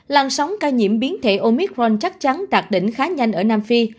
làn sóng ca nhiễm biến thể omicron chắc chắn đạt đỉnh khá nhanh ở nam phi